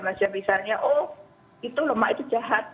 manusia misalnya oh itu lemak itu jahat